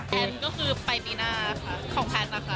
ก็คือไปปีหน้าค่ะของแพทย์นะคะ